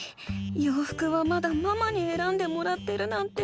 ようふくはまだママにえらんでもらってるなんて。